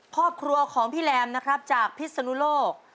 ครอบครัวของพี่แรมนะครับจากพิศนุโลก